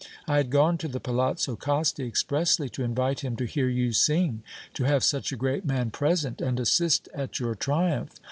I had gone to the Palazzo Costi expressly to invite him to hear you sing, to have such a great man present and assist at your triumph!